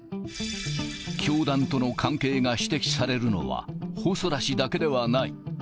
教団との関係が指摘されるのは、細田氏だけではない。